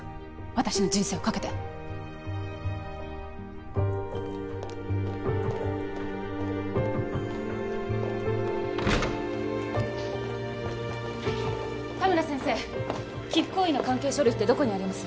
私の人生をかけて田村先生寄附行為の関係書類ってどこにあります？